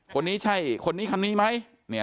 คนนี้ใช่คนนี้คนนี้ไหม